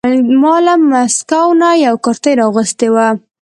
ما له مسکو نه یوه کرتۍ را اغوستې وه.